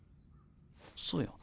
そうや。